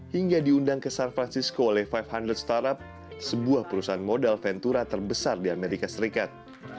hingga diundang ke san francisco oleh lima under startup sebuah perusahaan modal ventura terbesar di amerika serikat